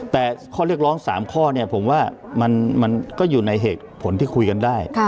แต่ข้อเรียกร้อง๓ข้อเนี่ยผมว่ามันก็อยู่ในเหตุผลที่คุยกันได้